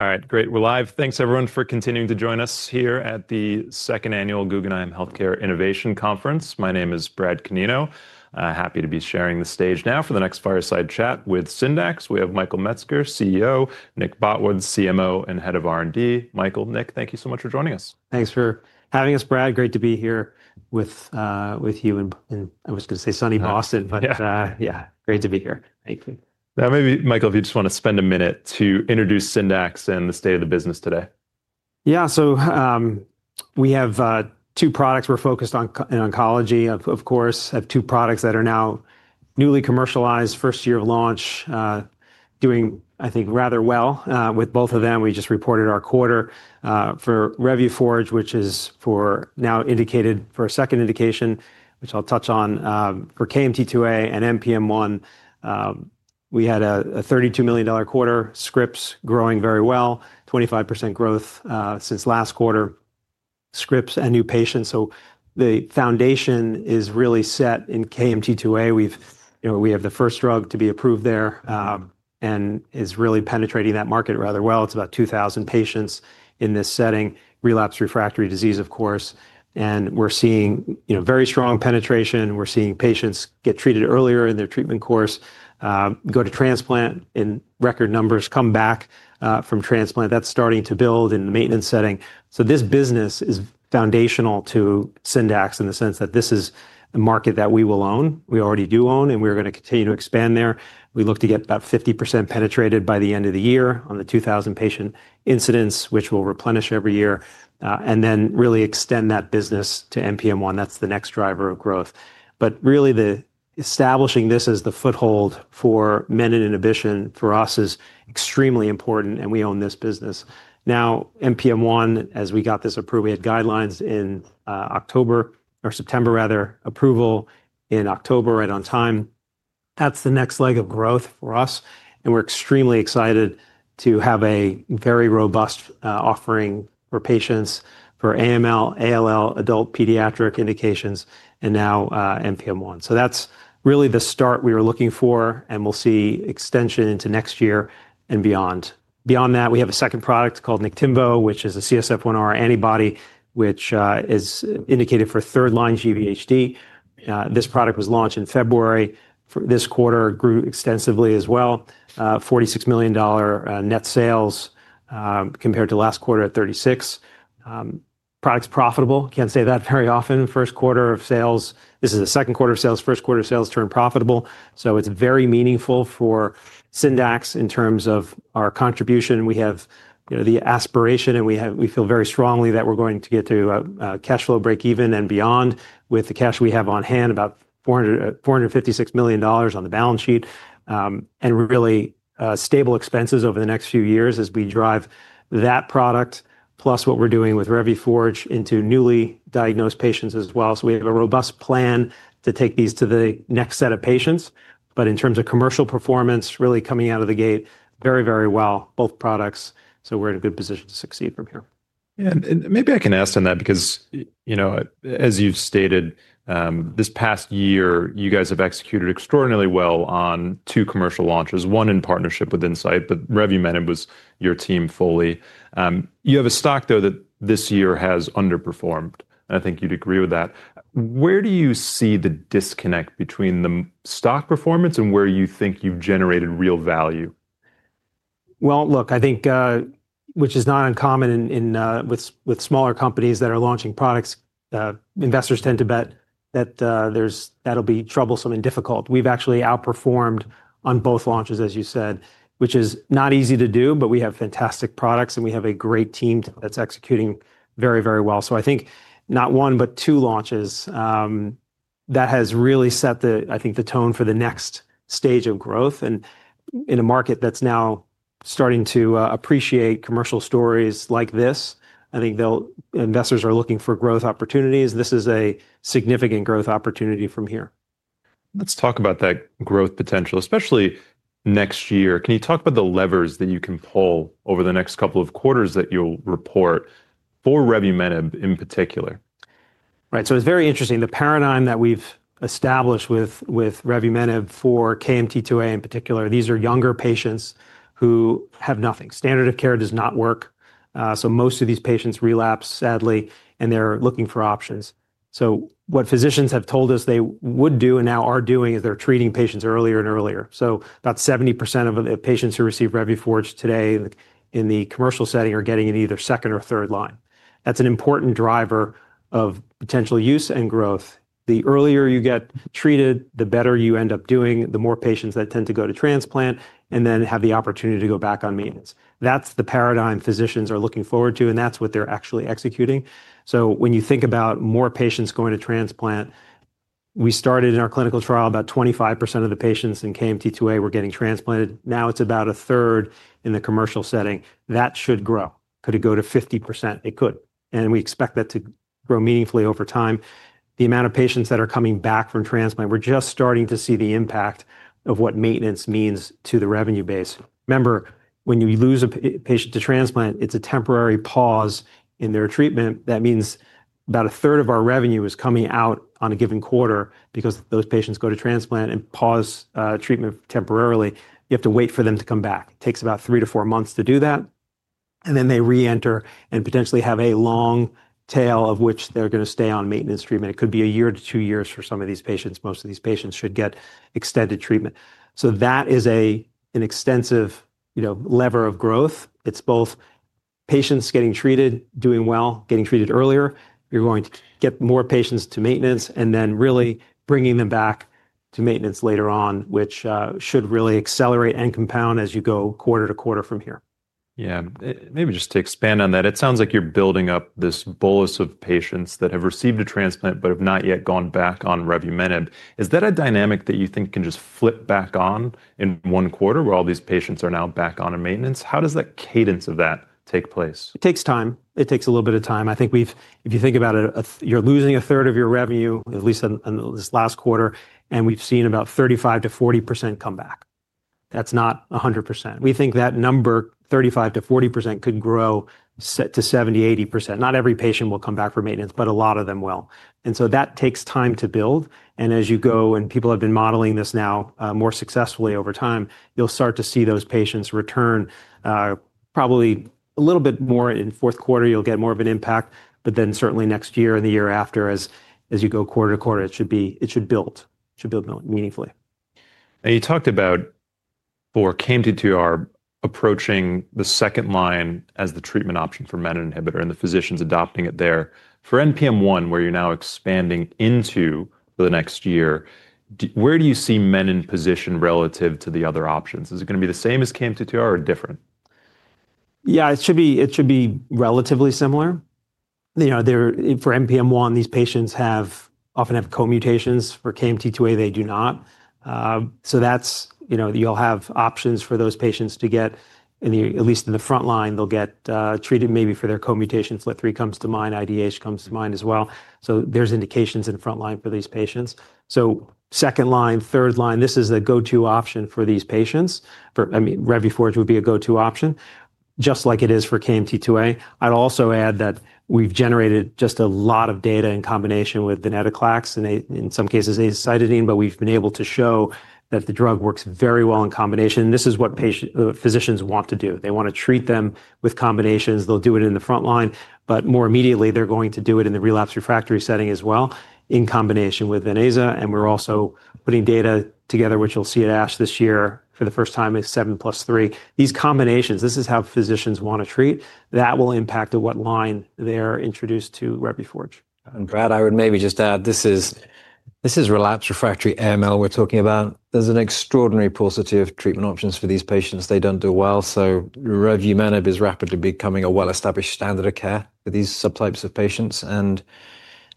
All right, great. We're live. Thanks, everyone, for continuing to join us here at the Second Annual Guggenheim Healthcare Innovation Conference. My name is Brad Canino. Happy to be sharing the stage now for the next fireside chat with Syndax. We have Michael Metzger, CEO; Nick Botwood, CMO and Head of R&D. Michael, Nick, thank you so much for joining us. Thanks for having us, Brad. Great to be here with you. I was going to say sunny Boston, but yeah, great to be here. Thank you. Maybe, Michael, if you just want to spend a minute to introduce Syndax and the state of the business today. Yeah, so we have two products. We're focused on oncology, of course. I have two products that are now newly commercialized, first year of launch, doing, I think, rather well with both of them. We just reported our quarter for Revuforj, which is now indicated for a second indication, which I'll touch on for KMT2A and NPM1. We had a $32 million quarter. Scripts growing very well, 25% growth since last quarter. Scripts and new patients. The foundation is really set in KMT2A. We have the first drug to be approved there and is really penetrating that market rather well. It's about 2,000 patients in this setting, relapsed refractory disease, of course. We're seeing very strong penetration. We're seeing patients get treated earlier in their treatment course, go to transplant in record numbers, come back from transplant. That's starting to build in the maintenance setting. This business is foundational to Syndax in the sense that this is a market that we will own. We already do own, and we are going to continue to expand there. We look to get about 50% penetrated by the end of the year on the 2,000 patient incidence, which we will replenish every year, and then really extend that business to NPM1. That is the next driver of growth. Really, establishing this as the foothold for menin inhibition for us is extremely important, and we own this business. Now, NPM1, as we got this approved, we had guidelines in September, approval in October, right on time. That is the next leg of growth for us. We are extremely excited to have a very robust offering for patients for AML, ALL, adult, pediatric indications, and now NPM1. That's really the start we were looking for, and we'll see extension into next year and beyond. Beyond that, we have a second product called Niktimvo, which is a CSF-1R antibody, which is indicated for third-line cGVHD. This product was launched in February. This quarter grew extensively as well, $46 million net sales compared to last quarter at $36 million. Product's profitable. Can't say that very often. First quarter of sales, this is the second quarter of sales, first quarter of sales turned profitable. So it's very meaningful for Syndax in terms of our contribution. We have the aspiration, and we feel very strongly that we're going to get to a cash flow break-even and beyond with the cash we have on hand, about $456 million on the balance sheet, and really stable expenses over the next few years as we drive that product, plus what we're doing with Revuforj into newly diagnosed patients as well. We have a robust plan to take these to the next set of patients. In terms of commercial performance, really coming out of the gate very, very well, both products. We're in a good position to succeed from here. Maybe I can ask on that because, as you've stated, this past year, you guys have executed extraordinarily well on two commercial launches, one in partnership with Incyte, but revumenib was your team fully. You have a stock, though, that this year has underperformed. I think you'd agree with that. Where do you see the disconnect between the stock performance and where you think you've generated real value? I think, which is not uncommon with smaller companies that are launching products, investors tend to bet that that'll be troublesome and difficult. We've actually outperformed on both launches, as you said, which is not easy to do, but we have fantastic products, and we have a great team that's executing very, very well. I think not one, but two launches that has really set the, I think, the tone for the next stage of growth. In a market that's now starting to appreciate commercial stories like this, I think investors are looking for growth opportunities. This is a significant growth opportunity from here. Let's talk about that growth potential, especially next year. Can you talk about the levers that you can pull over the next couple of quarters that you'll report for revumenib in particular? Right. It is very interesting. The paradigm that we have established with revumenib for KMT2A in particular, these are younger patients who have nothing. Standard of care does not work. Most of these patients relapse, sadly, and they are looking for options. What physicians have told us they would do and now are doing is they are treating patients earlier and earlier. About 70% of the patients who receive Revuforj today in the commercial setting are getting it in either second or third line. That is an important driver of potential use and growth. The earlier you get treated, the better you end up doing, the more patients that tend to go to transplant and then have the opportunity to go back on maintenance. That is the paradigm physicians are looking forward to, and that is what they are actually executing. When you think about more patients going to transplant, we started in our clinical trial about 25% of the patients in KMT2A were getting transplanted. Now it's about a third in the commercial setting. That should grow. Could it go to 50%? It could. We expect that to grow meaningfully over time. The amount of patients that are coming back from transplant, we're just starting to see the impact of what maintenance means to the revenue base. Remember, when you lose a patient to transplant, it's a temporary pause in their treatment. That means about 1/3 of our revenue is coming out on a given quarter because those patients go to transplant and pause treatment temporarily. You have to wait for them to come back. It takes about three to four months to do that. They reenter and potentially have a long tail of which they're going to stay on maintenance treatment. It could be a year to two years for some of these patients. Most of these patients should get extended treatment. That is an extensive lever of growth. It's both patients getting treated, doing well, getting treated earlier. You're going to get more patients to maintenance and then really bringing them back to maintenance later on, which should really accelerate and compound as you go quarter-to-quarter from here. Yeah. Maybe just to expand on that, it sounds like you're building up this bolus of patients that have received a transplant but have not yet gone back on revumenib. Is that a dynamic that you think can just flip back on in one quarter where all these patients are now back on maintenance? How does that cadence of that take place? It takes time. It takes a little bit of time. I think if you think about it, you're losing 1/3 of your revenue, at least in this last quarter, and we've seen about 35%-40% come back. That's not 100%. We think that number, 35%-40%, could grow to 70%-80%. Not every patient will come back for maintenance, but a lot of them will. That takes time to build. As you go and people have been modeling this now more successfully over time, you'll start to see those patients return probably a little bit more in fourth quarter. You'll get more of an impact, certainly next year and the year after, as you go quarter-to-quarter, it should build. It should build meaningfully. Now, you talked about for KMT2Ar approaching the second line as the treatment option for menin inhibitor and the physicians adopting it there. For NPM1, where you're now expanding into for the next year, where do you see menin in position relative to the other options? Is it going to be the same as KMT2Ar or different? Yeah, it should be relatively similar. For NPM1, these patients often have co-mutations. For KMT2A, they do not. You'll have options for those patients to get, at least in the front line, they'll get treated maybe for their co-mutations. FLT3 comes to mind. IDH comes to mind as well. There's indications in the front line for these patients. Second line, third line, this is the go-to option for these patients. Revuforj would be a go-to option, just like it is for KMT2A. I'd also add that we've generated just a lot of data in combination with venetoclax and in some cases azacitidine, but we've been able to show that the drug works very well in combination. This is what physicians want to do. They want to treat them with combinations. They'll do it in the frontline, but more immediately, they're going to do it in the relapsed refractory setting as well in combination with ven/aza. And we're also putting data together, which you'll see at ASH this year for the first time as 7+3. These combinations, this is how physicians want to treat. That will impact what line they're introduced to Revuforj. Brad, I would maybe just add, this is relapsed refractory AML we're talking about. There's an extraordinary paucity of treatment options for these patients. They don't do well. revumenib is rapidly becoming a well-established standard of care for these subtypes of patients.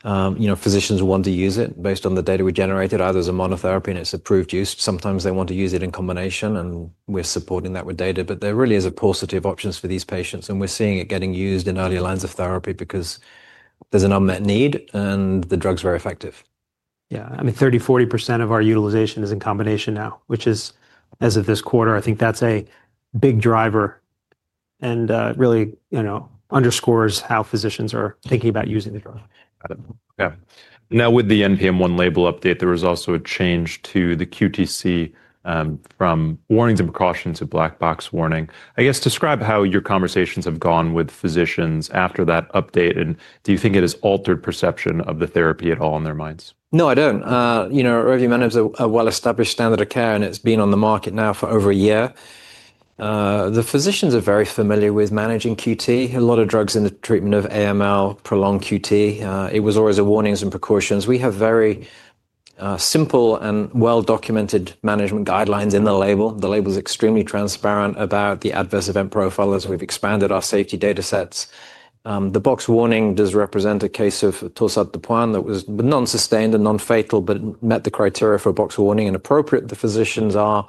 Physicians want to use it based on the data we generated. Either as a monotherapy in its approved use. Sometimes they want to use it in combination, and we're supporting that with data. There really is a paucity of options for these patients. We're seeing it getting used in earlier lines of therapy because there's an unmet need, and the drug's very effective. Yeah. I mean, 30%-40% of our utilization is in combination now, which is, as of this quarter, I think that's a big driver and really underscores how physicians are thinking about using the drug. Got it. Okay. Now, with the NPM1 label update, there was also a change to the QTc from warnings and precautions to black box warning. I guess describe how your conversations have gone with physicians after that update, and do you think it has altered perception of the therapy at all in their minds? No, I don't. Revumenib is a well-established standard of care, and it's been on the market now for over a year. The physicians are very familiar with managing QT. A lot of drugs in the treatment of AML prolong QT. It was always a warnings and precautions. We have very simple and well-documented management guidelines in the label. The label's extremely transparent about the adverse event profile as we've expanded our safety data sets. The box warning does represent a case of Torsades de Pointes that was non-sustained and non-fatal, but met the criteria for a box warning and appropriate. The physicians are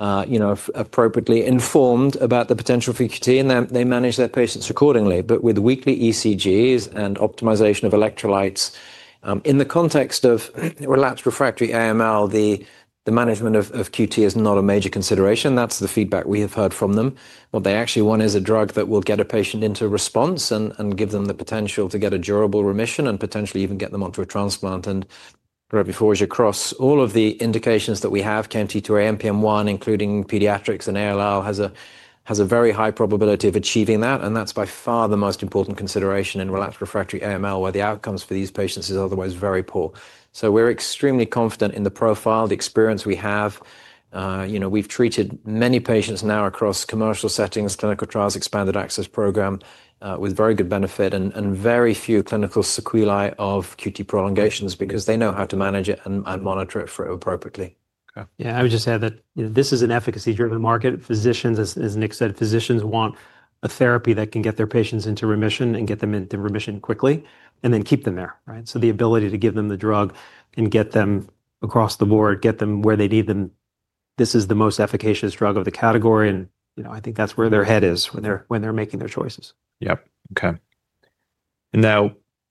appropriately informed about the potential for QT, and they manage their patients accordingly. With weekly ECGs and optimization of electrolytes, in the context of relapsed refractory AML, the management of QT is not a major consideration. That's the feedback we have heard from them. What they actually want is a drug that will get a patient into response and give them the potential to get a durable remission and potentially even get them onto a transplant. revumenib across all of the indications that we have, KMT2A, NPM1, including pediatrics and ALL, has a very high probability of achieving that. That is by far the most important consideration in relapsed refractory AML, where the outcomes for these patients are otherwise very poor. We are extremely confident in the profile, the experience we have. We have treated many patients now across commercial settings, clinical trials, expanded access programs with very good benefit and very few clinical sequelae of QT prolongations because they know how to manage it and monitor it appropriately. Okay. Yeah. I would just add that this is an efficacy-driven market. Physicians, as Nick said, physicians want a therapy that can get their patients into remission and get them into remission quickly and then keep them there. The ability to give them the drug and get them across the board, get them where they need them, this is the most efficacious drug of the category. I think that's where their head is when they're making their choices. Yep. Okay.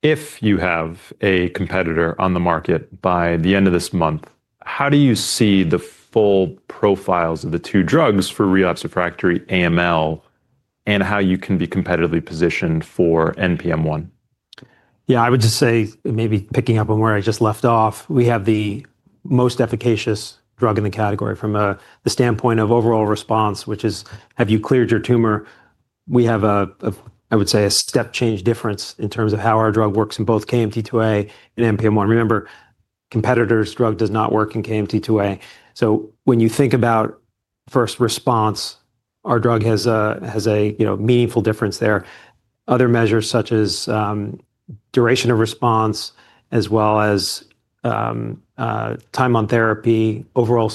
If you have a competitor on the market by the end of this month, how do you see the full profiles of the two drugs for relapsed refractory AML and how you can be competitively positioned for NPM1? Yeah, I would just say maybe picking up on where I just left off, we have the most efficacious drug in the category from the standpoint of overall response, which is, have you cleared your tumor? We have, I would say, a step change difference in terms of how our drug works in both KMT2A and NPM1. Remember, competitor's drug does not work in KMT2A. When you think about first response, our drug has a meaningful difference there. Other measures such as duration of response as well as time on therapy, overall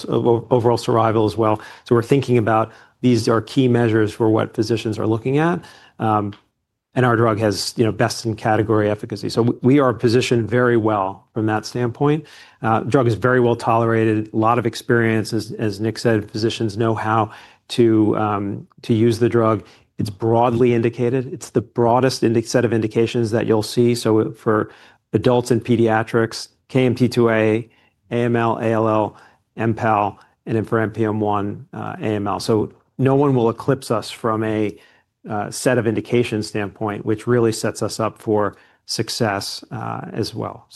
survival as well. We are thinking about these are key measures for what physicians are looking at. Our drug has best in category efficacy. We are positioned very well from that standpoint. The drug is very well tolerated. A lot of experience, as Nick said, physicians know how to use the drug. It is broadly indicated. It's the broadest set of indications that you'll see. For adults and pediatrics, KMT2A, AML, ALL, MPAL, and for NPM1, AML. No one will eclipse us from a set of indication standpoint, which really sets us up for success as well.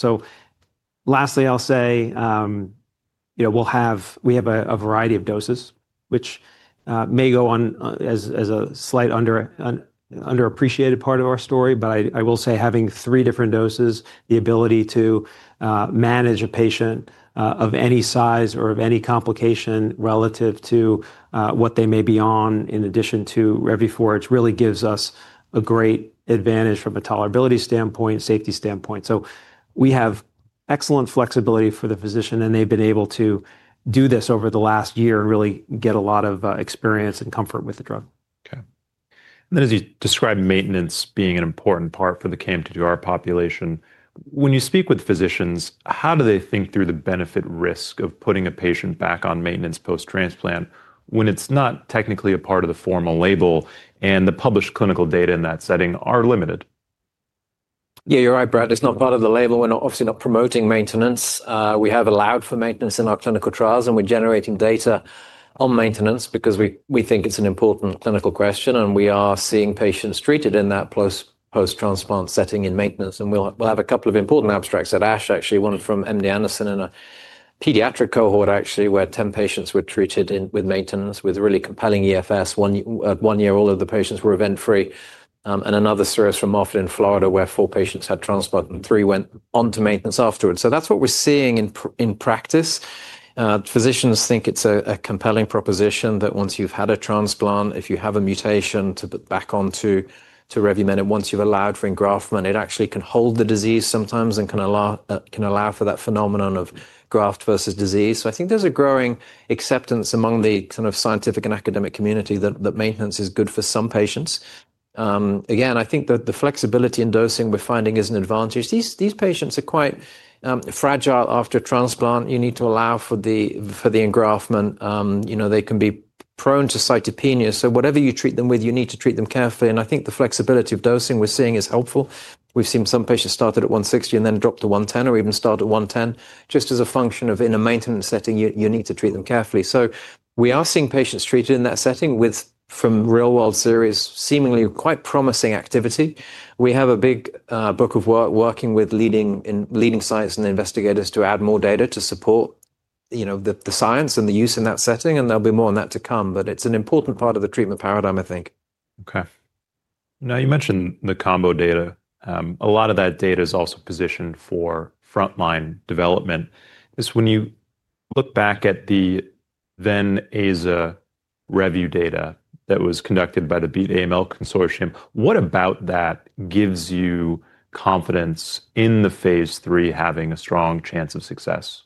Lastly, I'll say we have a variety of doses, which may go on as a slightly underappreciated part of our story, but I will say having three different doses, the ability to manage a patient of any size or of any complication relative to what they may be on in addition to Revuforj really gives us a great advantage from a tolerability standpoint, safety standpoint. We have excellent flexibility for the physician, and they've been able to do this over the last year and really get a lot of experience and comfort with the drug. Okay. As you describe maintenance being an important part for the KMT2Ar population, when you speak with physicians, how do they think through the benefit-risk of putting a patient back on maintenance post-transplant when it is not technically a part of the formal label and the published clinical data in that setting are limited? Yeah, you're right, Brad. It's not part of the label. We're obviously not promoting maintenance. We have allowed for maintenance in our clinical trials, and we're generating data on maintenance because we think it's an important clinical question, and we are seeing patients treated in that post-transplant setting in maintenance. We'll have a couple of important abstracts at ASH, actually, one from MD Anderson in a pediatric cohort, actually, where 10 patients were treated with maintenance with really compelling EFS. At one year, all of the patients were event-free. Another series from Moffitt in Florida where four patients had transplant and three went on to maintenance afterwards. That's what we're seeing in practice. Physicians think it's a compelling proposition that once you've had a transplant, if you have a mutation to put back onto revumenib, once you've allowed for engraftment, it actually can hold the disease sometimes and can allow for that phenomenon of graft versus disease. I think there's a growing acceptance among the kind of scientific and academic community that maintenance is good for some patients. Again, I think that the flexibility in dosing we're finding is an advantage. These patients are quite fragile after transplant. You need to allow for the engraftment. They can be prone to cytopenias. Whatever you treat them with, you need to treat them carefully. I think the flexibility of dosing we're seeing is helpful. We've seen some patients started at 160 and then dropped to 110 or even started at 110 just as a function of in a maintenance setting, you need to treat them carefully. We are seeing patients treated in that setting with, from real-world series, seemingly quite promising activity. We have a big book of work working with leading scientists and investigators to add more data to support the science and the use in that setting. There will be more on that to come. It is an important part of the treatment paradigm, I think. Okay. Now, you mentioned the combo data. A lot of that data is also positioned for frontline development. When you look back at the then aza-revu data that was conducted by the Beat AML Consortium, what about that gives you confidence in the phase III having a strong chance of success?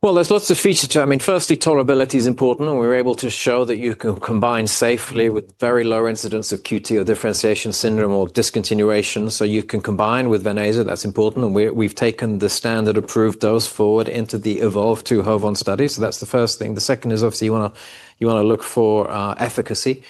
There are lots of features to it. I mean, firstly, tolerability is important. We were able to show that you can combine safely with very low incidence of QT or differentiation syndrome or discontinuation. You can combine with ven/aza. That's important. We have taken the standard-approved dose forward into the EVOLVE-2 HOVON study. That is the first thing. The second is obviously you want to look for efficacy.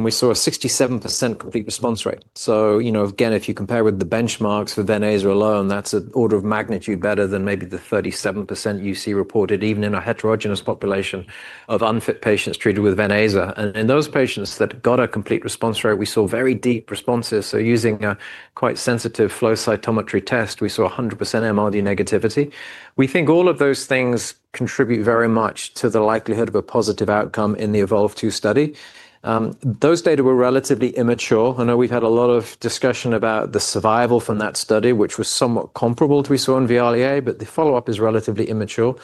We saw a 67% complete response rate. Again, if you compare with the benchmarks for vene alone, that's an order of magnitude better than maybe the 37% you see reported even in a heterogeneous population of unfit patients treated with ven/aza. In those patients that got a complete response rate, we saw very deep responses. Using a quite sensitive flow cytometry test, we saw 100% MRD negativity. We think all of those things contribute very much to the likelihood of a positive outcome in the EVOLVE-2 study. Those data were relatively immature. I know we've had a lot of discussion about the survival from that study, which was somewhat comparable to what we saw in VIALE-A, but the follow-up is relatively immature.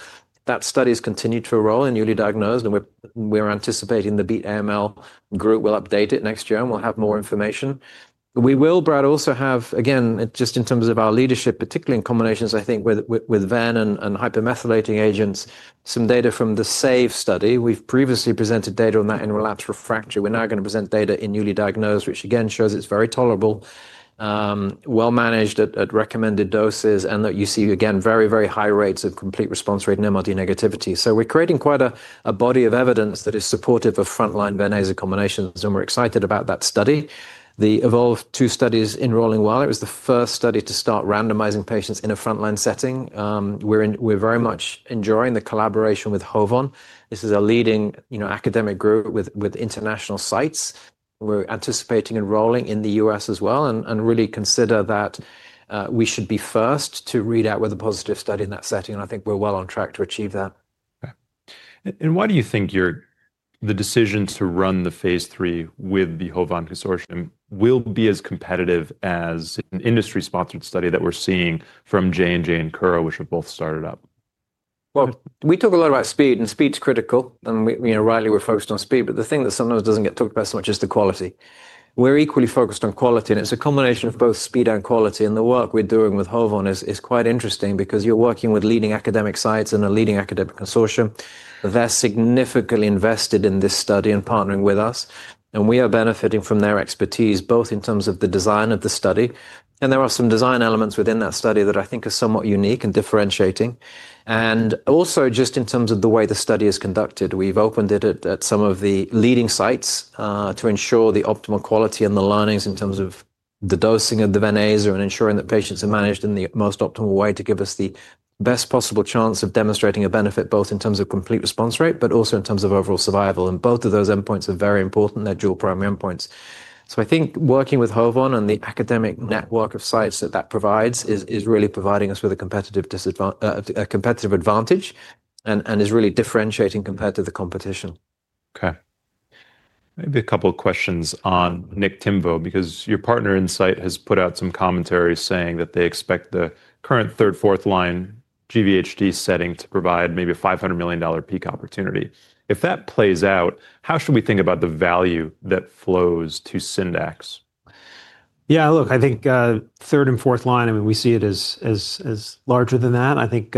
That study has continued to roll and newly diagnosed. We are anticipating the Beat AML group will update it next year and we will have more information. We will, Brad, also have, again, just in terms of our leadership, particularly in combinations, I think, with ven and hypomethylating agents, some data from the SAVE study. We've previously presented data on that in relapsed refractory. We're now going to present data in newly diagnosed, which again shows it's very tolerable, well-managed at recommended doses, and that you see, again, very, very high rates of complete response rate and MRD negativity. We're creating quite a body of evidence that is supportive of frontline ven/aza combinations. We're excited about that study. The EVOLVE-2 study is enrolling well. It was the first study to start randomizing patients in a frontline setting. We're very much enjoying the collaboration with HOVON. This is a leading academic group with international sites. We're anticipating enrolling in the U.S. as well and really consider that we should be first to read out with a positive study in that setting. I think we're well on track to achieve that. Okay. Why do you think the decision to run the phase III with the HOVON Consortium will be as competitive as an industry-sponsored study that we're seeing from J&J and Kura, which have both started up? We talk a lot about speed, and speed's critical. Rightly, we're focused on speed. The thing that sometimes doesn't get talked about so much is the quality. We're equally focused on quality. It's a combination of both speed and quality. The work we're doing with HOVON is quite interesting because you're working with leading academic sites and a leading academic consortium. They're significantly invested in this study and partnering with us. We are benefiting from their expertise, both in terms of the design of the study. There are some design elements within that study that I think are somewhat unique and differentiating. Also, just in terms of the way the study is conducted. We've opened it at some of the leading sites to ensure the optimal quality and the learnings in terms of the dosing of the ven/aza and ensuring that patients are managed in the most optimal way to give us the best possible chance of demonstrating a benefit both in terms of complete response rate, but also in terms of overall survival. Both of those endpoints are very important. They're dual-prime endpoints. I think working with HOVON and the academic network of sites that that provides is really providing us with a competitive advantage and is really differentiating compared to the competition. Okay. Maybe a couple of questions on Niktimvo because your partner Incyte has put out some commentary saying that they expect the current third, fourth line GVHD setting to provide maybe a $500 million peak opportunity. If that plays out, how should we think about the value that flows to Syndax? Yeah, look, I think third and fourth line, I mean, we see it as larger than that. I think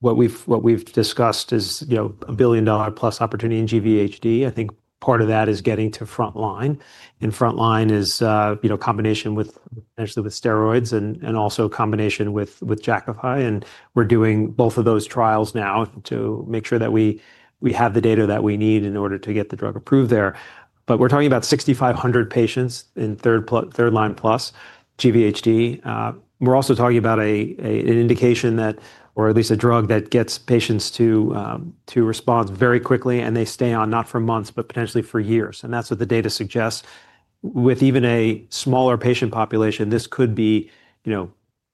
what we've discussed is $1 billion+ opportunity in GVHD. I think part of that is getting to frontline. Frontline is a combination potentially with steroids and also a combination with Jakafi. We're doing both of those trials now to make sure that we have the data that we need in order to get the drug approved there. We're talking about 6,500 patients in third line plus GVHD. We're also talking about an indication that, or at least a drug that gets patients to respond very quickly, and they stay on not for months, but potentially for years. That's what the data suggests. With even a smaller patient population, this could be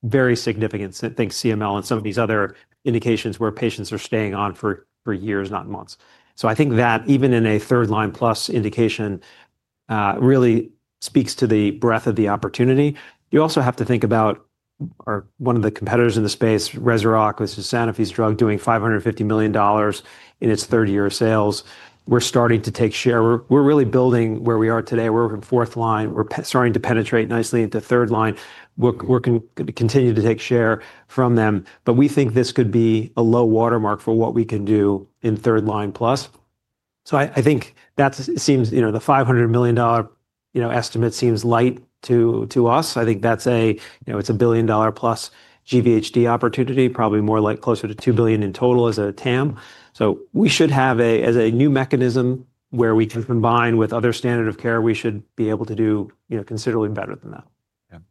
very significant. I think CML and some of these other indications where patients are staying on for years, not months. I think that even in a third line plus indication really speaks to the breadth of the opportunity. You also have to think about one of the competitors in the space, REZUROCK, which is Sanofi's drug doing $550 million in its third-year sales. We're starting to take share. We're really building where we are today. We're in fourth line. We're starting to penetrate nicely into third line. We're going to continue to take share from them. We think this could be a low watermark for what we can do in third line plus. I think that seems the $500 million estimate seems light to us. I think that's $1 billion+ GVHD opportunity, probably more like closer to $2 billion in total as a TAM. We should have a new mechanism where we can combine with other standard of care. We should be able to do considerably better than that.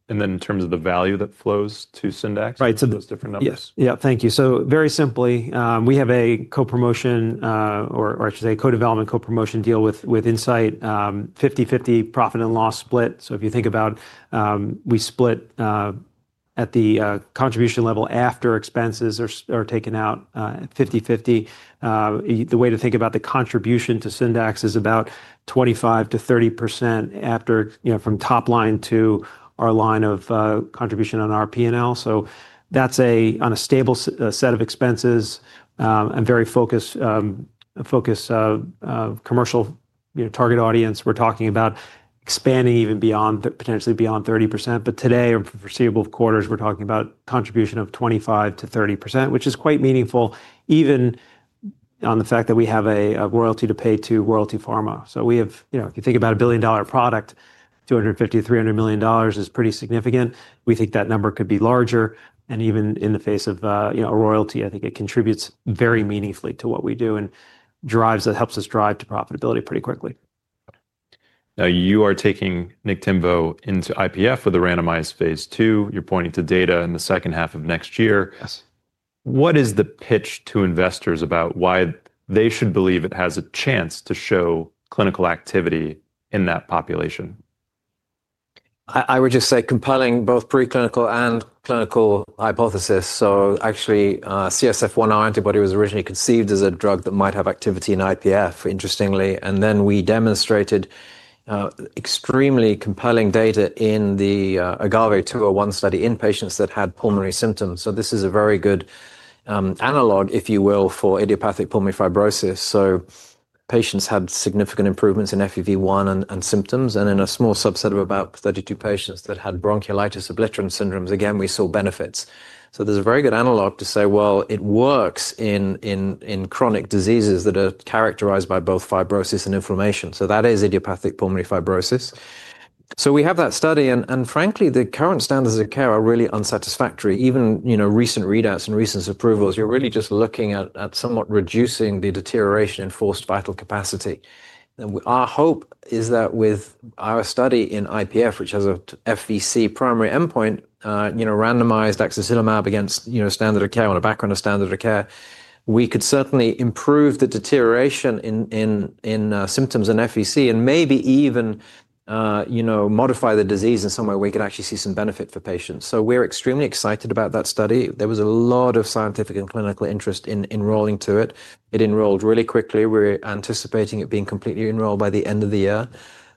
Yeah. In terms of the value that flows to Syndax and those different numbers. Right. So yeah, thank you. So very simply, we have a co-promotion, or I should say co-development co-promotion deal with Incyte, 50/50 profit and loss split. If you think about it, we split at the contribution level after expenses are taken out, 50/50. The way to think about the contribution to Syndax is about 25%-30% from top line to our line of contribution on our P&L. That is on a stable set of expenses and very focused commercial target audience. We're talking about expanding even potentially beyond 30%. Today, over a foreseeable quarter, we're talking about a contribution of 25%-30%, which is quite meaningful even on the fact that we have a royalty to pay to Royalty Pharma. If you think about $1 billion product, $250 million-$300 million is pretty significant. We think that number could be larger. Even in the face of a royalty, I think it contributes very meaningfully to what we do and helps us drive to profitability pretty quickly. Now, you are taking Niktimvo into IPF for the randomized phase II. You're pointing to data in the second half of next year. What is the pitch to investors about why they should believe it has a chance to show clinical activity in that population? I would just say compelling both preclinical and clinical hypothesis. Actually, CSF-1R antibody was originally conceived as a drug that might have activity in IPF, interestingly. Then we demonstrated extremely compelling data in the AGAVE-201 study in patients that had pulmonary symptoms. This is a very good analog, if you will, for idiopathic pulmonary fibrosis. Patients had significant improvements in FEV1 and symptoms. In a small subset of about 32 patients that had bronchiolitis obliterans syndromes, again, we saw benefits. There is a very good analog to say, well, it works in chronic diseases that are characterized by both fibrosis and inflammation. That is idiopathic pulmonary fibrosis. We have that study. Frankly, the current standards of care are really unsatisfactory. Even recent readouts and recent approvals, you are really just looking at somewhat reducing the deterioration in forced vital capacity. Our hope is that with our study in IPF, which has a FVC primary endpoint, randomized axatilimab against standard of care on a background of standard of care, we could certainly improve the deterioration in symptoms and FVC and maybe even modify the disease in some way where we could actually see some benefit for patients. We are extremely excited about that study. There was a lot of scientific and clinical interest in enrolling to it. It enrolled really quickly. We are anticipating it being completely enrolled by the end of the year.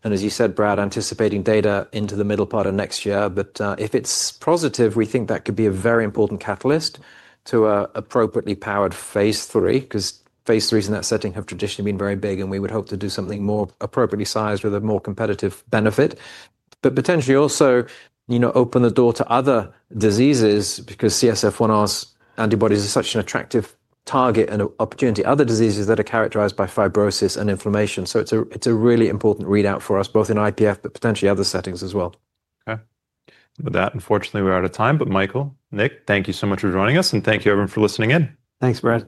As you said, Brad, anticipating data into the middle part of next year. If it is positive, we think that could be a very important catalyst to an appropriately powered phase III because phase III in that setting have traditionally been very big. We would hope to do something more appropriately sized with a more competitive benefit. Potentially also open the door to other diseases because CSF-1R antibodies are such an attractive target and opportunity for other diseases that are characterized by fibrosis and inflammation. It is a really important readout for us, both in IPF, but potentially other settings as well. Okay. With that, unfortunately, we're out of time. Michael, Nick, thank you so much for joining us. Thank you, everyone, for listening in. Thanks, Brad.